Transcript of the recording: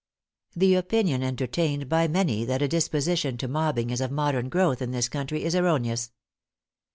The opinion entertained by many that a disposition to mobbing is of modern growth in this country is erroneous.